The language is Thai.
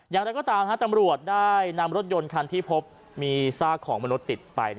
อย่างไรก็ตามตำรวจได้นำรถยนต์คันที่พบมีซากของมนุษย์ติดไป